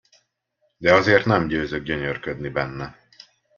De azért nem győzök gyönyörködni benne.